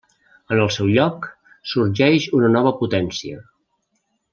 En el seu lloc, sorgeix una nova potència: